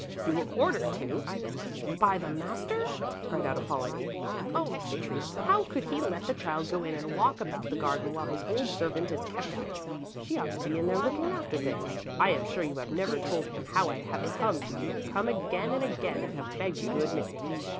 You were ordered to? By the master?" cried out Apollonie. "Oh, Mr. Trius, how could he let the child go in and walk about the garden while his old servant is kept out? She ought to be in there looking after things. I am sure you have never told him how I have come to you, come again and again and have begged you to admit me.